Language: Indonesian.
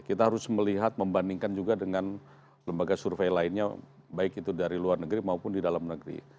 kita harus melihat membandingkan juga dengan lembaga survei lainnya baik itu dari luar negeri maupun di dalam negeri